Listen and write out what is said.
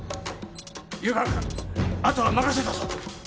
湯川君後は任せたぞ。